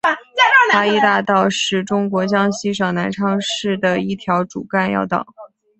八一大道是中国江西省南昌市的一条主要干道。